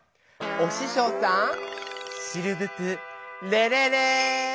おししょうさんシルブプレレレー！